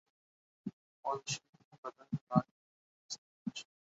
কিন্তু সেটা যখনই বাস্তবায়নের সময় আসে তখনই ক্ষমতাসীনেরা বাধা হয়ে দাঁড়ায়।